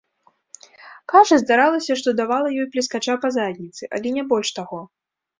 Кажа, здаралася, што давала ёй плескача па задніцы, але не больш таго.